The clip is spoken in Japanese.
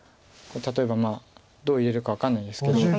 例えばどう入れるか分かんないですけど。